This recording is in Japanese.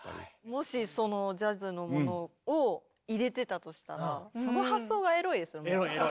もしそのジャズのものを入れてたとしたらエロいエロい。